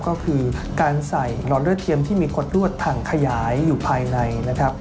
ก็คือการใส่หลอดเลือดเทียมที่มีคนรวดถังขยายอยู่ภายในนะครับ